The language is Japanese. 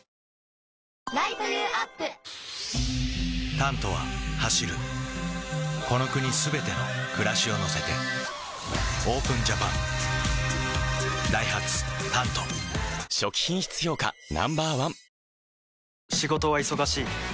「タント」は走るこの国すべての暮らしを乗せてＯＰＥＮＪＡＰＡＮダイハツ「タント」初期品質評価ＮＯ．１